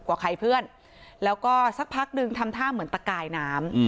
กว่าใครเพื่อนแล้วก็สักพักหนึ่งทำท่าเหมือนตะกายน้ำ